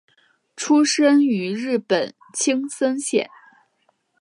出身于日本青森县。